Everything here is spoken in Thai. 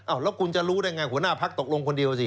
แล้วคุณจะรู้ได้ไงหัวหน้าพักตกลงคนเดียวสิ